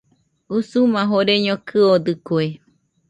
Usuma joreño kɨodɨkue.